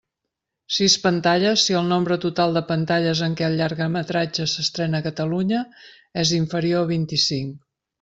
Sis pantalles, si el nombre total de pantalles en què el llargmetratge s'estrena a Catalunya és inferior a vint-i-cinc.